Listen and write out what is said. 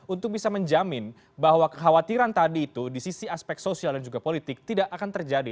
untuk bisa menjamin bahwa kekhawatiran tadi itu di sisi aspek sosial dan juga politik tidak akan terjadi